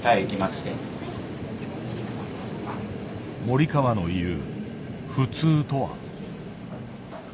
森川の言う「普通」とは。